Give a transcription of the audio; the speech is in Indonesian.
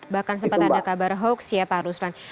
bahkan sempat ada kabar hoax ya pak ruslan